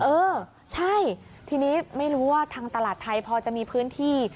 ที่นี้ทำไมฉันไม่รู้ว่าทางตลาดไทยพอจะมีพื้นที่